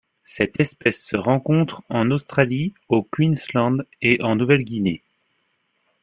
Cette espèce se rencontre en Australie au Queensland et en Nouvelle-Guinée.